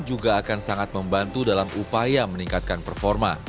juga akan sangat membantu dalam upaya meningkatkan performa